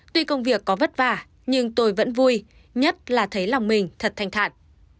tuy công việc có vất vả nhưng tôi vẫn vui nhất là thấy lòng mình thật thanh thản